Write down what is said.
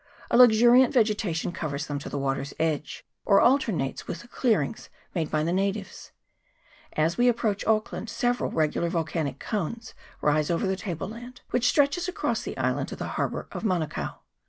A luxuriant vege tation covers them to the water's edge, or alternates with the clearings made by the natives. As we approach Auckland several regular volcanic cones rise over the table land which stretches across the island to the harbour of Manukao.